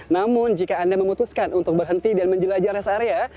namun jika anda memutuskan untuk berhenti dan menjelajah rest area